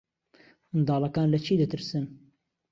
منداڵەکان لە چی دەترسن؟